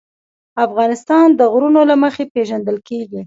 افغانستان د غرونه له مخې پېژندل کېږي.